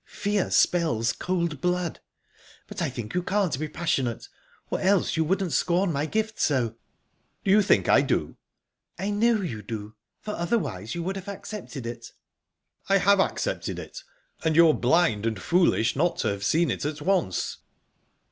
Fear spells cold blood. But I think you can't be passionate...or else you wouldn't scorn my gift so." "You think I do?" "I know you do, for otherwise you would have accepted it." "I have accepted it, and you're blind and foolish not to have seen it at once."